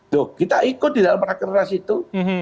tuh kita ikut di dalam rakernas itu